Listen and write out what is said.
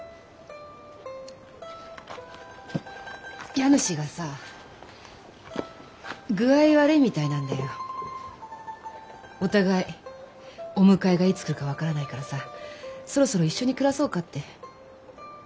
家主がさ具合悪いみたいなんだよ。お互いお迎えがいつ来るか分からないからさそろそろ一緒に暮らそうかって。